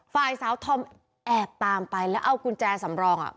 ฝ่ายสาวธอมแอบตามไปแล้วเอากุญแจสำรองอ่ะ